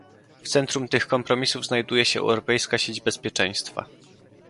W centrum tych kompromisów znajduje się europejska sieć bezpieczeństwa